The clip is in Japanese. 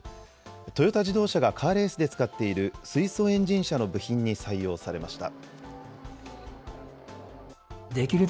トヨタ自動車がカーレースで使っている水素エンジン車の部品に採用されました。